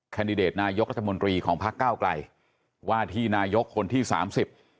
แดดิเดตนายกรัฐมนตรีของพักเก้าไกลว่าที่นายกคนที่สามสิบ